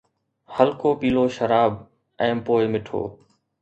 هلڪو پيلو شراب ۽ پوء مٺو